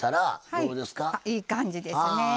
いい感じですね。